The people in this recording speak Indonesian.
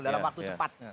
dalam waktu cepat